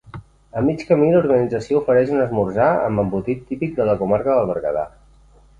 A mig camí l'organització ofereix un esmorzar amb embotit típic de la comarca del Berguedà.